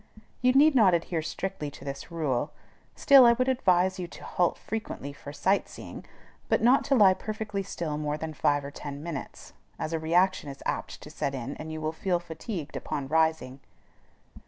You need not adhere strictly to this rule: still I would advise you to halt frequently for sight seeing, but not to lie perfectly still more than five or ten minutes, as a reaction is apt to set in, and you will feel fatigued upon rising.